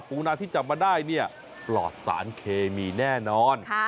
ปูนาที่จำมาได้ปลอดสารเคมีแน่นอน